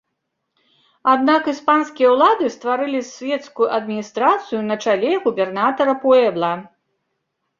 Аднак іспанскія ўлады стварылі свецкую адміністрацыю на чале губернатара пуэбла.